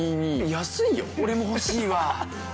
安いよ俺も欲しいわ。